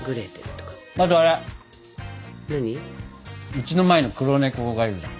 うちの前の黒猫がいるじゃん。